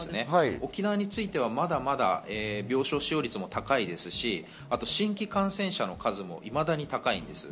沖縄についてはまだまだ病床使用率も高いですし、新規感染者の数もいまだに高いんです。